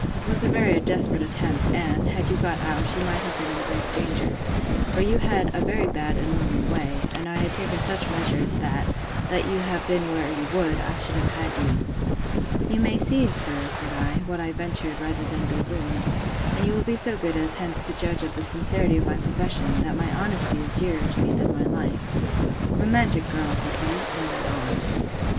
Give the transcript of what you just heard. It was a very desperate attempt, and, had you got out, you might have been in great danger; for you had a very bad and lonely way; and I had taken such measures, that, let you have been where you would, I should have had you. You may see, sir, said I, what I ventured, rather than be ruined; and you will be so good as hence to judge of the sincerity of my profession, that my honesty is dearer to me than my life. Romantic girl! said he, and read on.